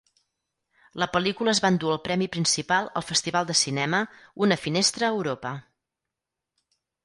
La pel·lícula es va endur el premi principal al festival de cinema "Una finestra a Europa".